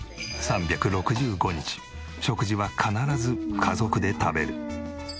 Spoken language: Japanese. ３６５日食事は必ず家族で食べる。